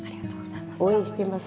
応援しています。